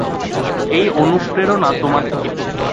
এই অনুপ্রেরণা তোমার থেকে পেয়েছি।